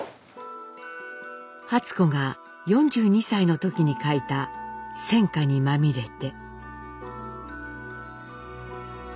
初子が４２歳の時に書いた「戦禍にまみれて」。